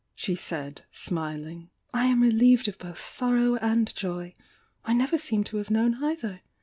she said, smiling. "I am relieved of both sorrow and joy— I never seem to have known either!